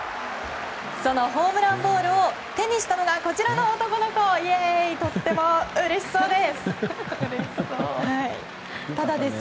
そのホームランボールを手にしたのが、こちらの男の子とってもうれしそうです。